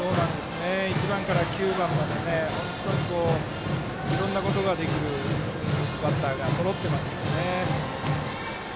１番から９番まで本当にいろんなことができるバッターがそろってますので。